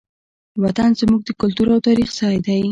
وطن زموږ د کلتور او تاریخ ځای دی.